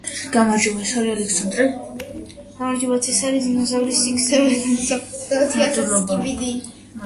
ციხე ორი განყოფილებისაგან შედგება.